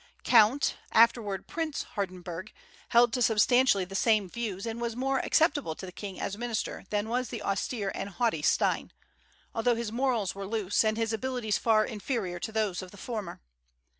Count, afterward Prince, Hardenberg, held to substantially the same views, and was more acceptable to the king as minister than was the austere and haughty Stein, although his morals were loose, and his abilities far inferior to those of the former.